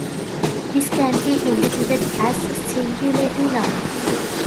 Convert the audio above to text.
This can be interpreted as a singulative number.